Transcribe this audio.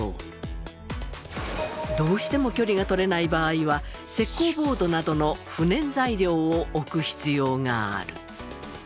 どうしても距離が取れない場合は石膏ボードなどの不燃材料を置く必要がある。